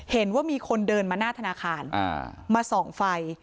เห็นว่ามีคนเดินมาหน้าธนาคารมาส่องไฟ